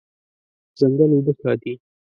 ځنګل اوبه ساتي.